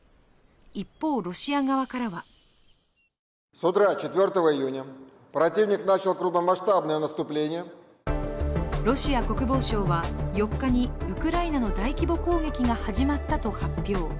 一方、ロシア側からはロシア国防省は、４日にウクライナの大規模攻撃が始まったと発表。